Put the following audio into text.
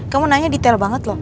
kamu nanya detail banget loh